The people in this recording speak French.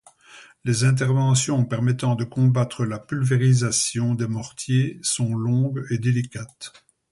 Les interventions permettant de combattre la pulvérisation des mortiers sont longues et délicates.